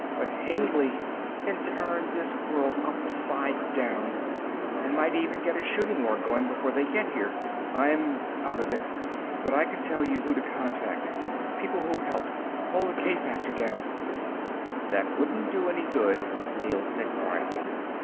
But Hengly can turn this world upside down and might even get a shooting war going before they get here. I'm out of it, but I can tell you who to contact, people who'll help. Hold the k factor down " "That wouldn't do any good," Neel said quietly.